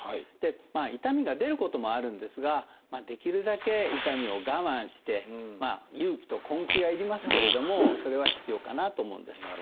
痛みが出ることもあるんですができるだけ痛みを我慢して勇気と根気が要りますけれどもそれは必要かなと思うんです。